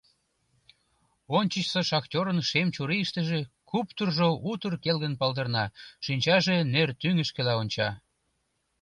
Ончычсо шахтёрын шем чурийыштыже куптыржо утыр келгын палдырна, шинчаже нер тӱҥышкыла онча.